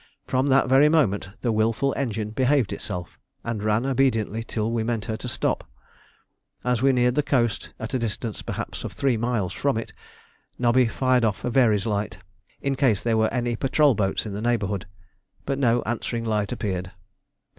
From that very moment the wilful engine behaved herself, and ran obediently till we meant her to stop. As we neared the coast, at a distance, perhaps, of three miles from it, Nobby fired off a Very's light, in case there were any patrol boats in the neighbourhood; but no answering light appeared.